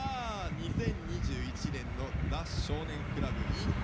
２０２１年の「ザ少年倶楽部ｉｎ大阪」。